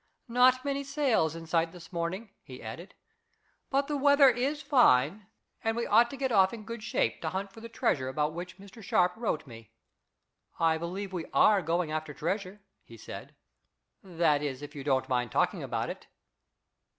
"Not many sails in sight this morning," he added. "But the weather is fine, and we ought to get off in good shape to hunt for the treasure about which Mr. Sharp wrote me. I believe we are going after treasure," he said; "that is, if you don't mind talking about it."